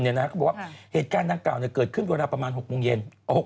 แล้วเขาบอกว่าเหตุการณ์กระเป๋าเกิดเกิดเวลาประมาณ๖โมงเย็น